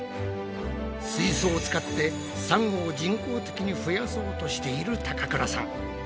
水槽を使ってサンゴを人工的に増やそうとしている高倉さん。